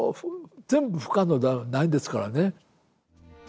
全部不可能じゃないんですからね。